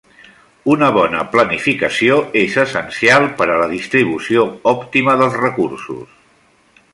Una bona planificació és essencial per a la distribució òptima dels recursos.